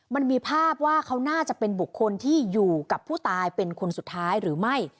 มันมีภาพว่าเขาน่าจะเป็นบุคคลที่อยู่กับผู้ตายเป็นคนสุดท้ายหรือไม่